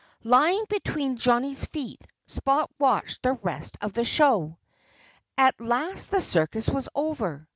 Lying between Johnnie's feet, Spot watched the rest of the show. At last the circus was over.